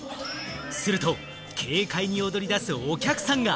すると、軽快に踊り出すお客さんが。